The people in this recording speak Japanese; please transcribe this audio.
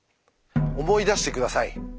思い出して下さい。